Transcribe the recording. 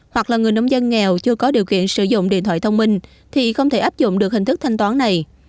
hoặc là người nông dân nghèo chưa có điều kiện sử dụng điện thoại thông minh thì không thể áp dụng được hình thức thanh toán này